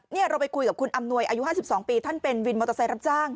นี่เราไปคุยกับคุณอำนวยอายุ๕๒ปีท่านเป็นวินมอเตอร์ไซค์รับจ้าง